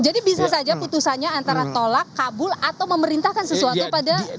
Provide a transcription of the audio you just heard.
jadi bisa saja putusannya antara tolak kabul atau memerintahkan sesuatu pada